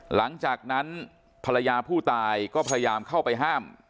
หลังจากนั้นภรรยาผู้ตายก็พยายามเข้าไปห้าม